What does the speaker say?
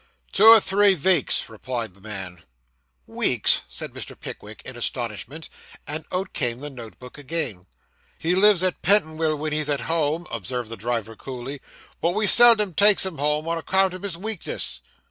'Two or three veeks,' replied the man. 'Weeks!' said Mr. Pickwick in astonishment, and out came the note book again. 'He lives at Pentonwil when he's at home,' observed the driver coolly, 'but we seldom takes him home, on account of his weakness.